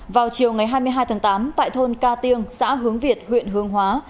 vào chiều ngày hai mươi hai tháng tám tại thôn ca tiêng xã hướng việt huyện hương hóa